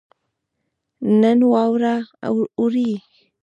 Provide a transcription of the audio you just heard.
نن واوره اوري